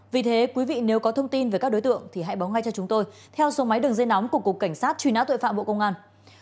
với các đối tượng thì hãy báo ngay cho chúng tôi theo số máy đường dây nóng của cục cảnh sát truy nã tội phạm bộ công an